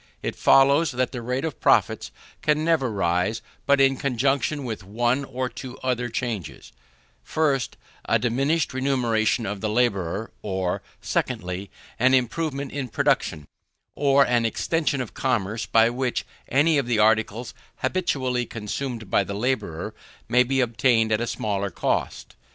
It follows, that the rate of profits can never rise but in conjunction with one or other of two changes, 1st, a diminished remuneration of the labourer; or, 2ndly, an improvement in production, or an extension of commerce, by which any of the articles habitually consumed by the labourer may be obtained at smaller cost.